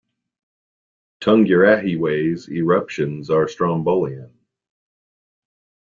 Tungurahua's eruptions are strombolian.